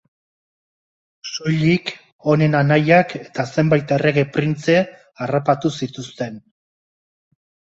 Soilik honen anaiak eta zenbait errege printze harrapatu zituzten.